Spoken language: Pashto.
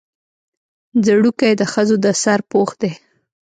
ځړوکی د ښځو د سر پوښ دی